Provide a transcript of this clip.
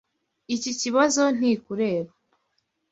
Iki kibazo ntikureba.